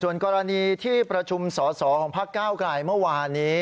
ส่วนกรณีที่ประชุมสอสอของพักเก้าไกลเมื่อวานนี้